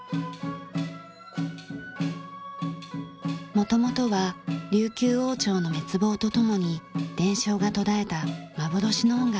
元々は琉球王朝の滅亡とともに伝承が途絶えた幻の音楽。